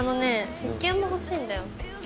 石けんも欲しいんだよ。